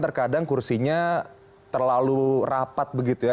terkadang kursinya terlalu rapat begitu ya